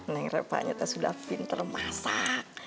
neng reva nyata sudah pinter masak